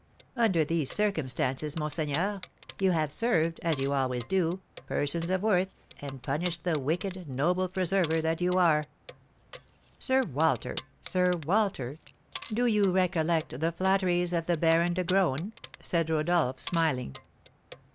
Under these circumstances, monseigneur, you have served, as you always do, persons of worth, and punished the wicked, noble preserver that you are!" "Sir Walter! Sir Walter! Do you recollect the flatteries of the Baron de Graün?" said Rodolph, smiling.